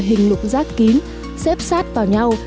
hình lục rác kín xếp sát vào nhau